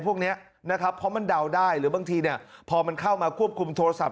พวกนี้นะครับเพราะมันดาวน์ได้หรือบางทีพอเข้ามาควบคุมโทรศัพท์